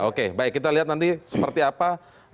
oke baik kita lihat nanti seperti apa